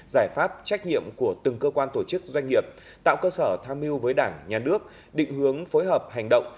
giải pháp trách nhiệm của từng cơ quan tổ chức doanh nghiệp tạo cơ sở tham mưu với đảng nhà nước định hướng phối hợp hành động